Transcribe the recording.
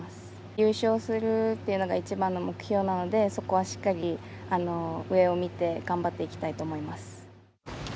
優勝するというのが一番の目標なので、そこはしっかり上を見て頑張っていきたいと思います。